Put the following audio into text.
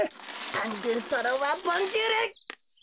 アンドゥトロワボンジュール！